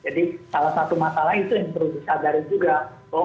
jadi salah satu masalah itu yang perlu disadari juga